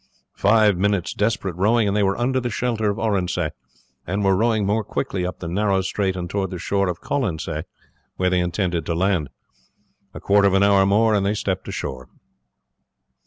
Five minutes desperate rowing and they were under shelter of Oronsay, and were rowing more quickly up the narrow strait and towards the shore of Colonsay, where they intended to land. A quarter of an hour more and they stepped ashore.